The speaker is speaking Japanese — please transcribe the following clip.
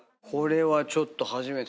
これはちょっと。